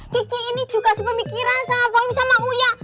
kiki ini juga sepemikiran sama bangi sama uya